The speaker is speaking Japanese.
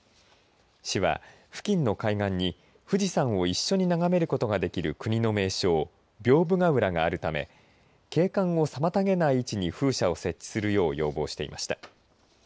市は付近の海岸に富士山を一緒に眺めることができる国の名勝、屏風ヶ浦があるため景観を妨げない位置に風車を設置するよう要望していました。